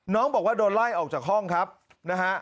น้องบอกว่าโดนไล่ออกจากห้องครับนะฮะ